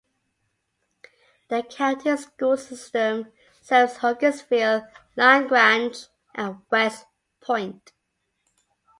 The county school system serves Hogansville, LaGrange and West Point.